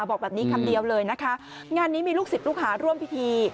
บอกแบบนี้คำเดียวเลยนะคะงานนี้มีลูกศิษย์ลูกหาร่วมพิธี